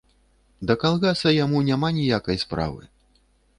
Да калгаса яму няма ніякай справы.